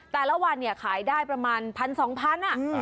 แต่ละวันเนี่ยขายได้ประมาณพันสองพัน